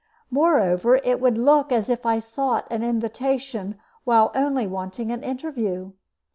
Moreover, it would look as if I sought an invitation, while only wanting an interview.